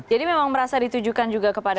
jadi memang merasa ditujukan juga kepada